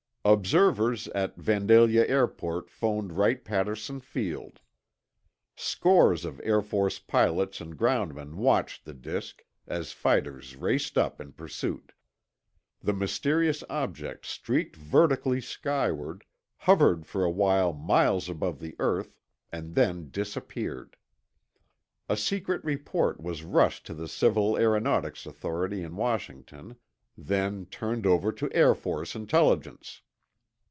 Observers at Vandalia Airport phoned Wright Patterson Field. Scores of Air Force pilots and groundmen watched the disk, as fighters raced up in pursuit. The mysterious object streaked vertically skyward, hovered for a while miles above the earth, and then disappeared. A secret report was rushed to the Civil Aeronautics Authority in Washington, then turned over to Air Force Intelligence.